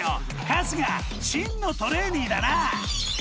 春日真のトレーニーだなあ。